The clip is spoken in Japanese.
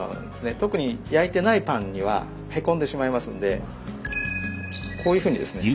特に焼いてないパンにはへこんでしまいますのでこういうふうにですね